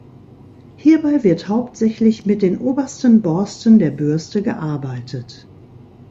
Hierbei wird hauptsächlich mit den obersten Borsten der Bürste gearbeitet.